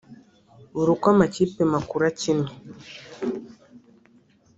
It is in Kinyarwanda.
buri uko amakipe makuru akinnye